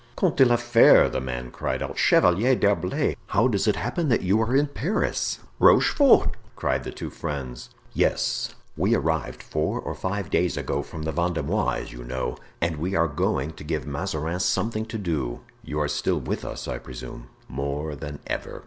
"Comte de la Fere!" the man cried out; "Chevalier d'Herblay! How does it happen that you are in Paris?" "Rochefort!" cried the two friends. "Yes! we arrived four or five days ago from the Vendomois, as you know, and we are going to give Mazarin something to do. You are still with us, I presume?" "More than ever.